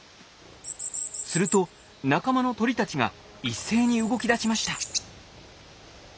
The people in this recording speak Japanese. すると仲間の鳥たちが一斉に動きだしました。